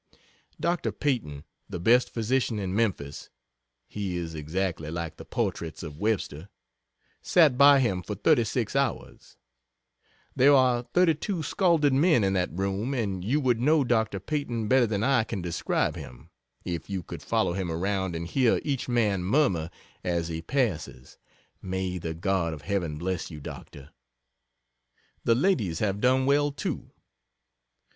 Dr. Peyton, the best physician in Memphis (he is exactly like the portraits of Webster) sat by him for 36 hours. There are 32 scalded men in that room, and you would know Dr. Peyton better than I can describe him, if you could follow him around and hear each man murmur as he passes, "May the God of Heaven bless you, Doctor!" The ladies have done well, too.